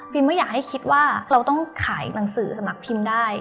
ไม่อยากให้คิดว่าเราต้องขายหนังสือสมัครพิมพ์ได้